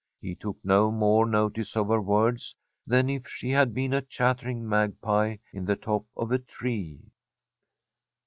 He took no more notice of her words than if she had been a chattering magpie in the top of a tree.